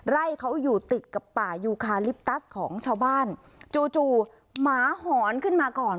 ไร่เขาอยู่ติดกับป่ายูคาลิปตัสของชาวบ้านจู่จู่หมาหอนขึ้นมาก่อน